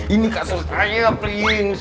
ini kasur saya prins